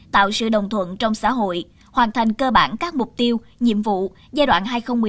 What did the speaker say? tạo sự đồng thuận trong xã hội hoàn thành cơ bản các mục tiêu nhiệm vụ giai đoạn hai nghìn một mươi năm hai nghìn hai mươi